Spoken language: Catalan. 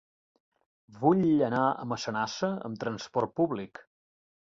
Vull anar a Massanassa amb transport públic.